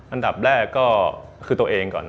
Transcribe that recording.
อันดับแรกก็คือตัวเองก่อน